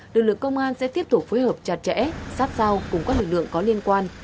lực lượng công an sẽ tiếp tục phối hợp chặt chẽ sát sao cùng các lực lượng có liên quan